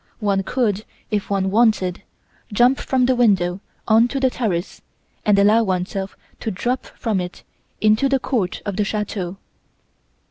One could, if one wanted, jump from the window on to the terrace, and allow oneself to drop from it into the court of the chateau.